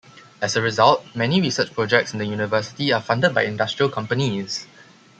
As a result, many research projects in the university are funded by industrial companies.